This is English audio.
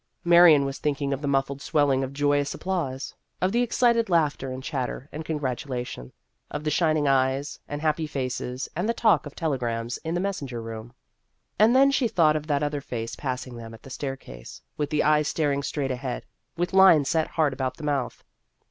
Marion was thinking of the muffled swelling of joyous applause ; of the excited laughter and chatter and congratulation ; of the shin ing eyes and happy faces, and the talk of telegrams in the messenger room. And then she thought of that other face pass ing them at the staircase, with the eyes staring straight ahead, with lines set hard about the mouth.